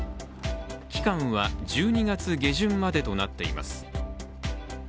期間は１２月下旬までとなっています。